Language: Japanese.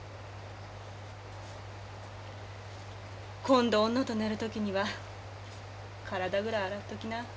今度女と寝る時には体ぐらい洗っときな。